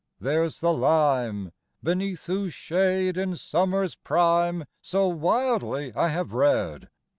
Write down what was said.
there's the lime, Beneath whose shade in summer's prime So wildly I have read!